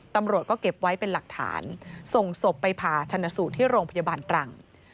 ตำรวจก็เก็บไว้เป็นหลักฐานส่งศพไปผ่าชนสูตรที่โรงพยาบาลตรัง